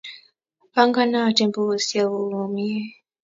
Pingonotin bukusyek kuk komnyee.